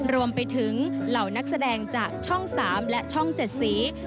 รวมไปถึงเหล่านักแสดงจากช่อง๓และช่อง๗สี